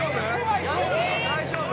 ・大丈夫？